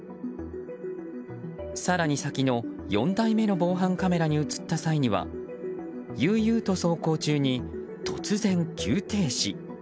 更に先の４台目の防犯カメラに映った際には悠々と走行中に突然急停止。